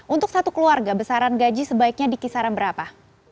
untuk satu keluarga besaran gaji sebaiknya dikisaran berapa